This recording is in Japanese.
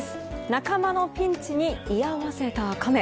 仲間のピンチに居合わせたカメ。